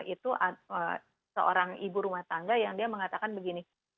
itu seorang ibu rumah tangga yang dia mengatakan begini